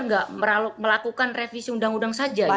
tidak melakukan revisi undang undang saja